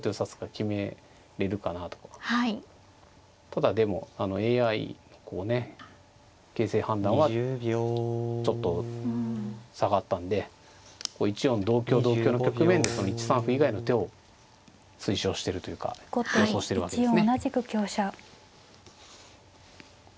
ただでもＡＩの形勢判断はちょっと下がったんで１四同香同香の局面でその１三歩以外の手を推奨してるというか予想してるわけですね。